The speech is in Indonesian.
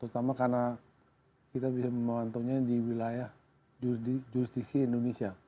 terutama karena kita bisa memantau di wilayah juristik indonesia